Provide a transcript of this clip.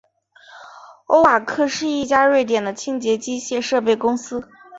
欧瓦克是一家瑞典的清洁机械设备公司。